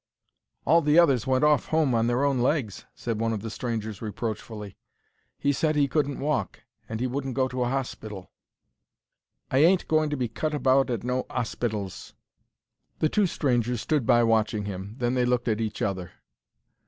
"All the others went off home on their own legs," said one of the strangers, reproachfully. "He said he couldn't walk, and he wouldn't go to a hospital." "Wanted to die at home," declared the sufferer. "I ain't going to be cut about at no 'ospitals." The two strangers stood by watching him; then they looked at each other.